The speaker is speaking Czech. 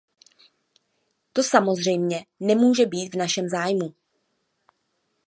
To samozřejmě nemůže být v našem zájmu.